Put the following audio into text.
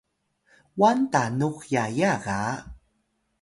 wan tanux yaya ga